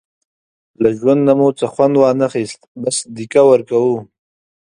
له ژوند نه مو څه وخوند وانخیست، بس دیکه ورکوو.